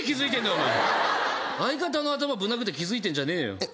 お前相方の頭ぶん殴って気づいてんじゃねえよえっ？